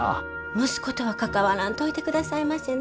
息子とは関わらんといてくださいませね。